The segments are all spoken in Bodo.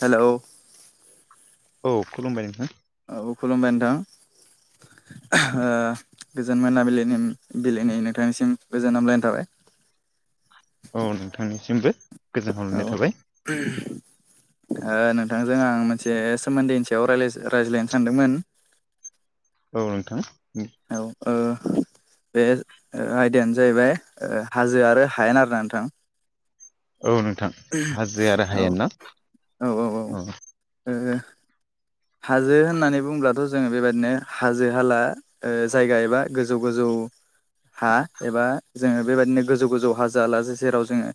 हेल' औ खुलुमबाय नोंथां औ खुलुमबाय नोंथां। ओ गोजोन मोनाबिलिनि नोंथांनिसिम गोजोन हामलायनाय थाबाय। [inaudible] औ नोंथांनिसिमबो गोजोनहररनाय औ थाबाय ओ नोंथांजों आं मोनसे सोमोन्दैनि सायाव राय रायज्लायनो सानदोंमोन औ नोंथां औ ओ बे आयदायानो जाहैबाय हाजो आरो हायेन आरो ना नोंथां औ नोंथां हाजो आरो औ हायेन ना औ औ ओ हाजो होननानै बुंब्लाथ' जोङो बेबायदिनो हाजो हाला ओ जायगा एबा गोजौ गोजौ हा एबा जोङो बेबायदिनो गोजौ गोजौ हा जायालासे जेराव जोङो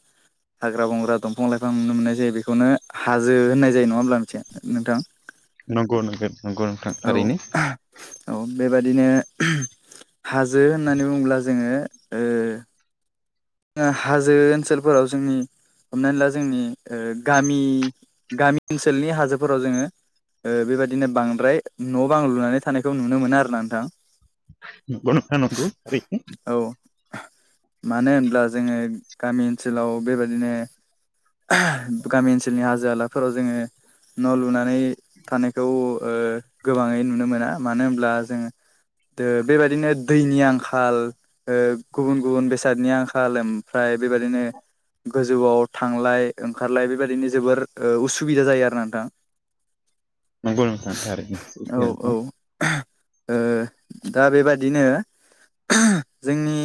हाग्रा बंग्रा दंफां लाइफां नुनो मोननाय जायो बेखौनो हाजो होननाय जायो नङा होमब्ला मिथिया नोंथां। नंगौ नंगौ नंगौ नोंथां औ थारैनो। औ बेबादिनो हाजो होननानै बुङोब्ला जोङो हाजो ओनसोल फोराव जोंनि हमनानै ला जोंनि गामि ओ गामि ओनसोलनि हाजो फोराव जोङो ओ बेबायदिनो बांद्राय न' बां लुनानै थानायखौ नुनो मोनो आरो ना नोंथां। औ [unintelligible] मानो होनब्ला जोङो गामि ओनसोलाव बेबायदिनो गामि ओनसोलनि हाजो हाला फोराव जोङो न' लुनानै थानायखौ ओ गोबाङै नुनो मोना मानो होनब्ला जोङो ओ बेबादिनो दैनि आंखाल ओ गुबुन गुबुन बेसादनि आंखाल ओमफ्राय बेबायदिनो गोजौ आव थांलाय ओंखारलाय बेबायदिनो जोबोर ओ उसुबिदा जायो आरो ना नोंथां। नंगौ नोंथां थारैनो औ सैथो औ ओ नोंथां। दा बेबायदिनो [unintelligible] जोंनि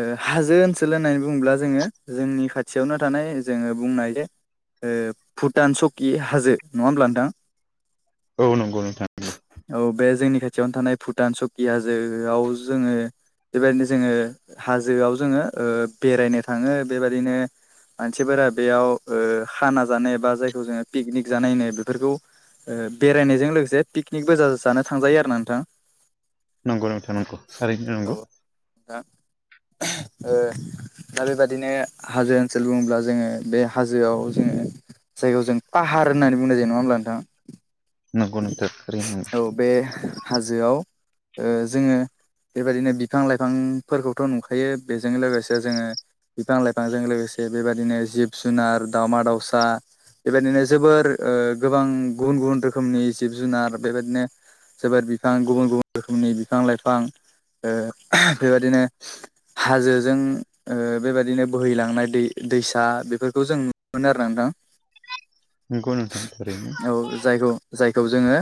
ओ हाजो ओनसोल होननानै बुङोब्ला जोङो जोंनि खाथियावनो थानाय जोङो बुंनाय जे ओ भुटान सकि हाजो नङा होमब्ला नोंथां? औ नंगौ नोंथां नंगौ। औ बे जोंनि खाथियावनो थानाय भुटान सकि हाजो आव जोङो बेबायदिनो जोङो हाजो आव जोङो ओ बेरायनो थाङो बेबायदिनो मानसि फोरा बेयाव ओ खाना जानाय बा जायखौ जोङो पिकनिक जानाय होनो बेफोरखौ ओ बेराय नायजों लोगोसे पिकनिकबो ज जानो थांजायो आरो ना नोंथां। नंगौ नोंथां नंगौ थारैनो औ नंगौ। नोंथां। ओ दा बेबादिनो हाजो ओनसोल बुङोब्ला जोङो बे हाजोआव जोङो जायखौ जों पाहार हार होननानै बुंनाय जायो नङा होनोमब्ला नोंथां। नंगौ नोंथां थारैनो औ बे हाजोआव ओ जोङो बेबायदिनो बिफां लाइफां फोरखौथ' नुखायो बेजों लोगोसे जोङो बिफां लाइफांजों लोगोसे से बेबायदिनो जिब जुनार दाउमा दाउसा बेबायदिनो जोबोर ओ गोबां गुबुन गुबुन रोखोमनि जिब जुनार बेबायदिनो जोबोर बिफां गुबुन गुबुन रोखोमनि बिफां लाइफां ओ बेबादिनो हाजोजों ओ बेबायदिनो बोहैलांनाय दै दैसा बेफोरखौ जों नुनो मोनो आरो ना नोंथां। नंगौ नोंथां थारैनो। औ जायखौ जायखौ जोङो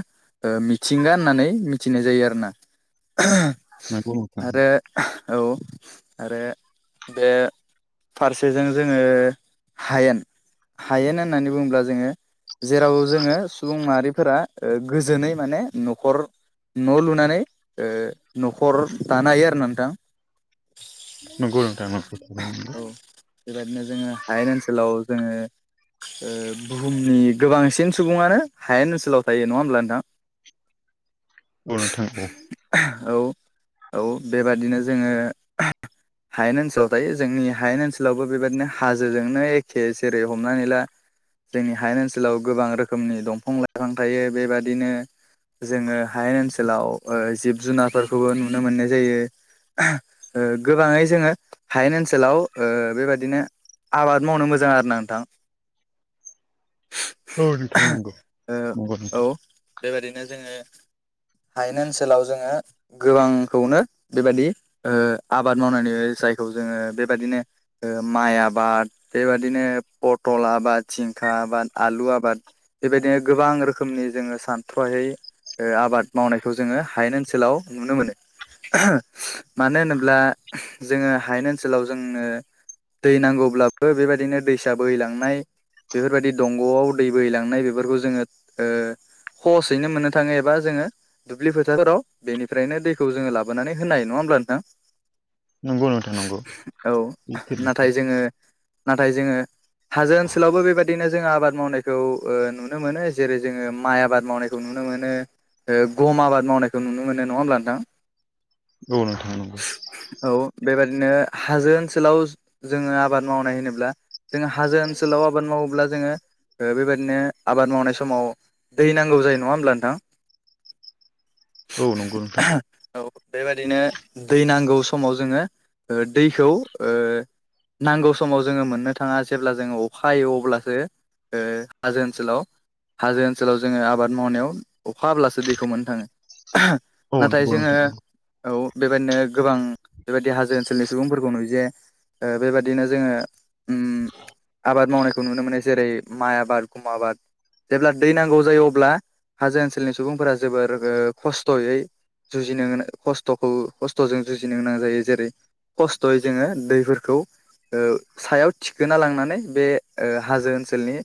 ओ मिथिंगा होननानै मिथिनाय जायो आरो ना। [unintelligible] नंगौ नोंथां आरो औ आरो बे फारसेजों जोङो हायेन हायेन होननानै बुङोब्ला जोङो जेराव जोङो सुबुं माहारि फोरा ओ गोजोनै माने न'खर न' लुनानै ओ न'खर दानो हायो आरो ना नोंथां। नंगौ नोंथां नंगौ थारैनो नंगौ औ बेबायदिनो जोङो हायेन ओनसो सोलाव जोङो ओ बुहुमनि गोबांसिन सुबुङानो हायेन ओनस सोलाव थायो नङा होमब्ला नोंथां? अ नोंथां अ। औ औ बेबादिनो जोङो हायेन ओनसोलाव थायो जोंनि हायेन ओनसोलावबो बेबायदिनो हाजो जोंनो एखे जेरै हमनानै ला जोंनि हायेन ओनसोलाव गोबां रोखोमनि दंफां लाइफां थायो बेबादिनो जोङो हायेन ओनसोलाव ओ जिब जुनार फोरखौबो नुनो मोननाय जायो। ओ गोबाङै जोङो हायेन ओनसोलाव ओ बेबादिनो आबाद मावनो मोजां आरो ना नोंथां। औ बिथां नोंगौ। ओ औ बेबायदिनो जोङो हायनो ओनसोलाव जोङो गोबां खौनो बेबादि आबाद मावनायनै जायखौ जोङो बेबायदिनो ओ माइ आबाद बेबायदिनो पथल आबाद थिं आबाद आलु आबाद बेबायदिनो गोबां रोखोमनि जोङो सानथ्र'हायै ओ आबाद मावनायखौ जोङो हायेन ओनसोलाव नुनो मोनो मानो होनोब्ला जोङो हायेन ओनसोलाव जोंनो दै नांगौब्लाबो बेबायदिनो दैसा बोहैलांनाय बेफोरबायदि दंग'आव दै बोहैलांनाय बेफोरखौ जोङो ओ सहसयैनो मोननो थाङो एबा जोङो दुब्लि फोथारफोराव बेनिफ्रायनो दैखौ जोङो लाबोनानै होनो हायो नङा होनबा नोंथां नंगौ नोंथां नंगौ औ नाथाय जोङो नाथाय जोङो हाजो ओनसोलावबो बेबायदिनो जोङो आबाद मावनायखौ ओ नु नुनो मोनो जेरै जोङो माइ आबाद मावनायखौ नुनो मोनो। ओ गम आबाद मावनायखौ नुनो मोनो नङा होमब्ला नोंथां। औ नोंथां नंगौ। बिदिनो हाजो ओनसोलाव जोङो आबाद मावनाय होनोब्ला जोङो हाजो ओनसोलाव आबाद मावोब्ला जोङो ओ बेबायदिनो आबाद मावनाय समाव दै नांगौ जायो नङा होमब्ला नोंथां। औ नंगौ नोंथां। औ बेबायदिनो दै नांगौ समाव जोङो ओ दैखौ ओ नांगौ समाव जोङो मोन्नो थाङा जेब्ला जोङो अखा हायो अब्लासो ओ हाजो ओनसोलाव हाजो ओनसोलाव जोङो आबाद मावनायाव अखा हाब्लासो दैखौ मोन्नो थाङो। औ नाथाय नंगौ जोङो नोंथां नंगौ। औ बेबायदिनो गोबां बेबायदि हाजो ओनसोलनि सुबुंफोरखौ नुयो जे ओ बेबादिनो जोङो उम आबाद मावनायखौ नुनो मोनो जेरै माइ आबाद। खुम आबाद। जेब्ला दै नांगौ जायो अब्ला हाजो ओनसोलनि सुबुंफोरा जोबोर ओ खस्थ'यै जुजिनो गोनां खस्थ'खौ खस्थ'जों जुजिनो गोनां जायो जेरै खस्थ'यै जोङो दैफोरखौ ओ सायाव थिखोना लांनानै बे ओ हाजो ओनसोलनि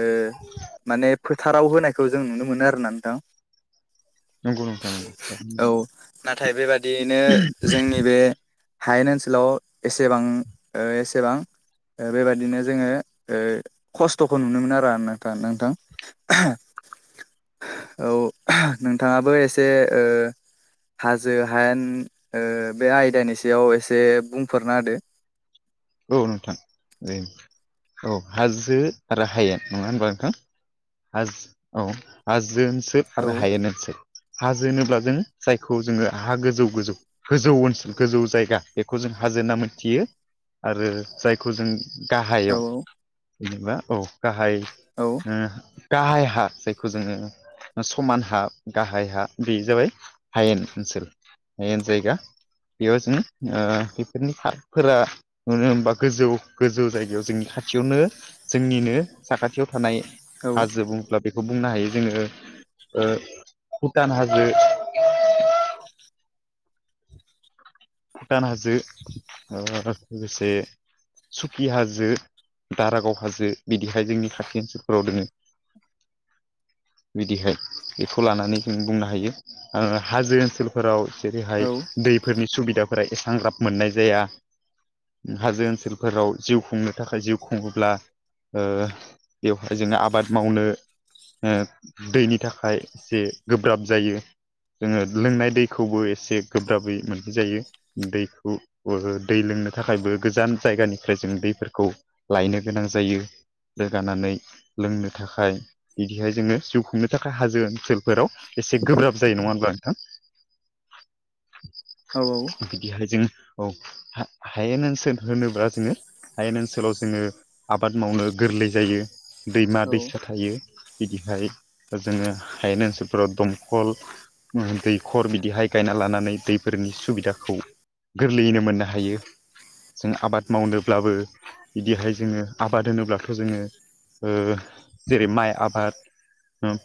ओ माने फोथाराव होनायखौ जों नुनो मोनो आरोना नोंथां। नंगौ नोंथां नंगौ। औ नाथाय बेबादियैनो जोंनि बे हायेन ओनसोलाव एसेबां ओ एसेबां ओ बेबायदिनो जोङो ओ खस्थ'खौ नुनो मोना। नोंथां नोंथां। औ नोंथाङाबो एसे ओ हाजो हायेन ओ बे आयदानि सायाव एसे बुंफोरना होदो। [inaudible] औ नोंथां औ हाजो आरो हायेन नङा होनबा नोंथां। हाज औ हाजो ओनसोल आरो औ हायेन ओनसोल हाजो होनोब्ला जोङो जायखौ जोङो हा गोजौ गोजौ गोजौ ओनसोल गोजौ जायगा बेखौ जों हाजो होन्ना मोनथियो। आरो जायखौ जों गाहायाव औ जेनेबा औ गाहाय। औ ओ गाहाय हा जायखौ जोङो ओ समान हा गाहाय हा बे जाबाय हायेन ओनसोल हायेन जायगा। बेयाव जों ओ बेफोरनि फा फोरा मानो होनबा गोजौ गोजौ जायगायाव जोंनि खाथियावनो जोंनिनो साखाथियाव थानाय औ हाजो बुंब्ला बे बेखौ बुंनो हायो जोङो ओ भुटान हाजो। भुटान हाजो ओ लोगोसे सुकि हाजो, दारागाव हाजो बिदिहाय जोंनि खाथि ओनसोलफोराव दोङो। [inaudible] बिदिहाय बेखौ लानानै जों बुंनो हायो ओ हाजो ओनसोलफोराव जेरैहाय औ दैफोरनि सुबिदाफोरा एसां ग्राब मोननाय जाया। उम हाजो ओनसोलफोराव जिउ खुंनो थाखाय जिउ खुङोब्ला ओ बेवहाय जोङो आबाद मावनो ओ दैनि थाखाय एसे गोब्राब जायो। जोङो लोंनाय दैखौबो एसे गोब्राबै मोन्नाय जायो। दैखौ ओ दै लोंनो थाखायबो गोजान जायगानिफ्राय जों दैफोरखौ लायनो गोनां गोनां जायो। रोगानानै लोंनो थाखाय बिदिहाय जोङो जिउ खुंनो थाखाय हाजो ओनसोल फोराव एसे गोब्राब जायो नङा होनब्ला नोंथां औ औ बिदिहाय जों औ हायेन ओनसोल होनोब्ला जोङो हायेन ओनसोलाव जोङो आबाद मावनो गोरलै जायो दैमा औ दैसा थायो बिदिहाय जोङो हायेन ओनसोलफोराव दमखल दैखर बिदिहाय गायना लानानै दैफोरनि सुबिदाखौ गोरलैयैनो मोननो हायो जों आबाद मावनोब्लाबो बिदिहाय जोङो आबाद होनोब्लाथ' जोङो जेरै माइ आबाद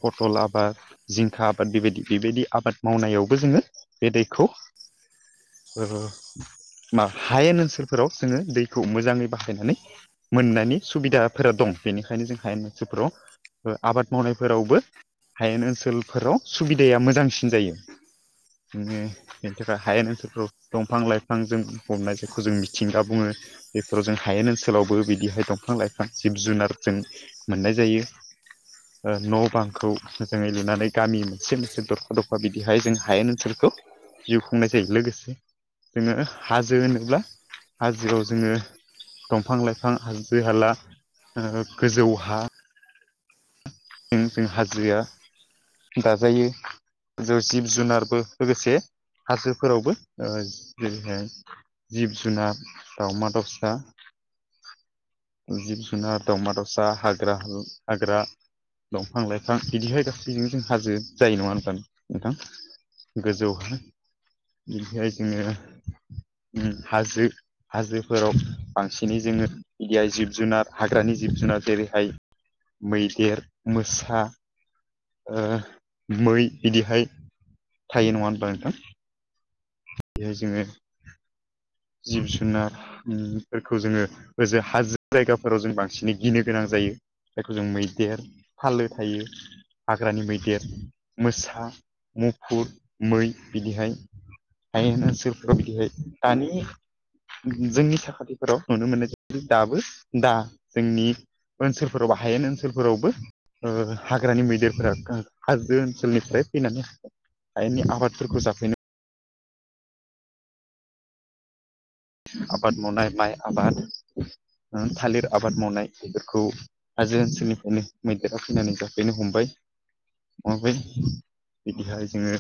पटल आबाद जिंखा आबाद बेबायदि बेबायदि आबाद मावनायावबो जोङो बे दैखौ [inaudible] ओ मा हायेन ओनसोलफोराव जोङो दैखौ मोजाङै बाहायनानै मोननायनि सुबिदाफोरा दं बेनिखायनो जों हायेन ओनसोलफोराव आबाद मावनायफोरावबो हायेन ओनसोलफोराव सुबिदाया मोजांसिन जायो बेनि थाखाय हायेन दंफां लाइफां जों हमनाय जायखौ जों मिथिंगा बुङो बेफोराव जों हायेन ओनसोलावबो बिदि बिहाय दंफां लाइफां जिब जुनार जों मोननाय जायो न' बांखौ मोजांयै लुनानै गामि मोनसे मोनसे दरफा दरफा बिदिहाय जों हायेन ओनसोलखौ जिउ खुंनाय जायो लोगोसे जोङो हाजो होनोब्ला हाजोआव जोङो दंफां लाइफां हाजो हाला गोजौ हा जों जों हाजोया गाजायो ज जिब जुनारबो लोगोसे हाजोफोरावबो जेरैहाय जिब जुनार दावमा दाउसा [inaudible] जिब जुनार दावमा दावसा हाग्रा हाग्रा दंफां लाइफां बिदिहाय गासैजों जों हाजो जायो नङा होनबा नोंथां गोजौ बिनिफ्राय जोङो हाजो हाजोफोराव बांसिनै जोङो जिब जुनार हाग्रानि जिब जुनार जुनाद जेरैहाय मैदेर मोसा मै बिदिहाय थायो नङा होनबा नोंथां बेहाय जोङो [inaudible] जिब जुनारफोरखौ जोङो ओजों हाजो जायगाफोराव जों बांसिनै गिनो गोनां जायो जायखौ जों मैदेर फालो थायो हाग्रानि मैदेर मोसा मुफुर मै बिदिहाय [unintelligible] दानि जोंनि साखाथिफोराव नुनो मोननाय जायो दाबो दा जोंनि ओनसोलफोरावबो हायेन ओनसोलफोरावबो हाग्रानि मैदेरफोरा हाजो ओनसोलनिफ्राय फैनानै हायेननि आबादफोरखौ जाफैनो आबाद मावनाय माइ आबाद थालिर आबाद मावनाय बेफोरखौ हाजो ओनसोलनिफ्रायनो मैदेरा फैनानै जाफैनो हमबाय [unintelligible] बिदिहाय जोङो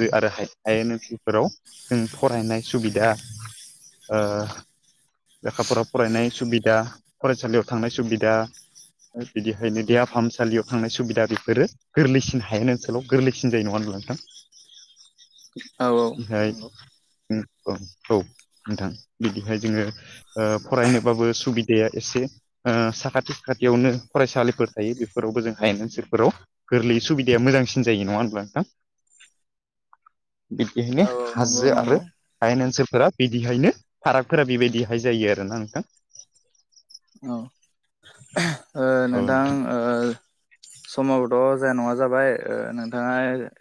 जो आरो हायेन ओनसोलफोराव जों फरायनाय सुबिदा ओ लेखा फरा फरायनाय सुबिदा फरायसालियाव थांनाय सुबिदा बिदिहायनो देहा फाहामसालियाव थांनाय सुबिदा बेफोरो गोरलैसिन हायेन ओनसोलाव गोरलैसिन जायो नङा नोंथां [inaudible] औ औ बेहाय नंगौ औ औ नोंथां बिदिहाय जोङो ओ फरायनोबाबो सुबिदाया एसे ओ साखाथि फाखाथियावनो फरायसालिफोर थायो बे फोरावबो जों हायेन ओनलसोरफोराव गोरलै सुबिदाया मोजांसिन जायो नङा होनब्ला नोंथां? [inaudible] बि-बिहायनो औ नंगौ नंगौ हायेन ओनसोलफोरा बिदिहायनो फारागफोरा बेबायदि हाय जायो आरोना नोंथां औ ओ नोंथां ओ समावबोथ' जाया नङा जाबाय ओ नोंथाङा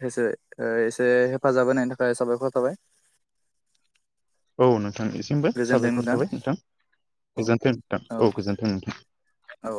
हेसे ओ एसे हेफाजाब होनायनि थाखाय साबायखौर थाबाय। औ नों थांनिसिमबो साबायखर थाबाय नोंथां गोजोनथों नोंथां औ गोजोन्थों नोंथां। औ